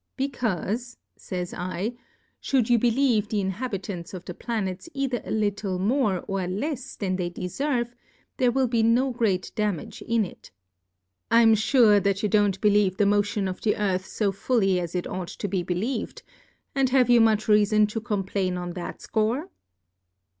Becaufe^/^jj* /, Ihould you believe the Inhabitants of the Planets either a little more or lefs than Plurality ^/ W O R L D S. 17 5 • than they deferve, there will be no great Damage in it. Fm fure that you don't believe the Motion of the Earth fo fully as it ought to be believ'd ; and have you much Reafon to complain on that Score